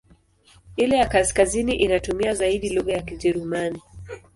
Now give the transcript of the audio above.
Ile ya kaskazini inatumia zaidi lugha ya Kijerumani.